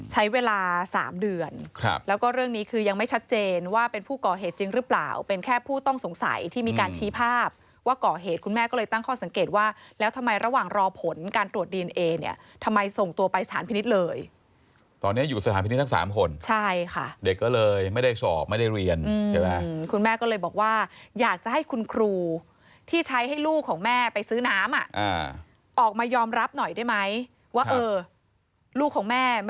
ใช้เวลาสามเดือนครับแล้วก็เรื่องนี้คือยังไม่ชัดเจนว่าเป็นผู้ก่อเหตุจริงหรือเปล่าเป็นแค่ผู้ต้องสงสัยที่มีการชี้ภาพว่าก่อเหตุคุณแม่ก็เลยตั้งข้อสังเกตว่าแล้วทำไมระหว่างรอผลการตรวจดีเนี้ยเนี้ยทำไมส่งตัวไปสถานมินิตเลยตอนเนี้ยอยู่สถานมินิตทั้งสามคนใช่ค่ะเด็กก็เลยไม่ได้สอบไม่ได้เร